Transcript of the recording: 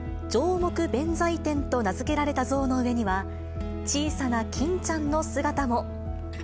黙弁財天と名付けられた像の上には、小さな欽ちゃんの姿も。